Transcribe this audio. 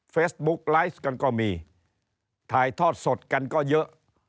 เฟซบุ๊กไลฟ์กันก็มีถ่ายทอดสดกันก็เยอะ